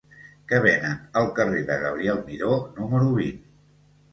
Què venen al carrer de Gabriel Miró número vint?